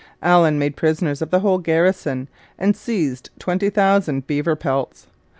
Allen made prisoners of the whole garrison and seized twenty thousand beaver pelts.